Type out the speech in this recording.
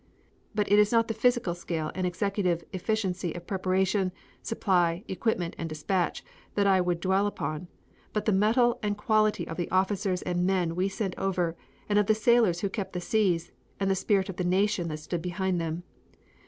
"But it is not the physical scale and executive efficiency of preparation, supply, equipment and dispatch that I would dwell upon, but the mettle and quality of the officers and men we sent over and of the sailors who kept the seas, and the spirit of the Nation that stood behind them.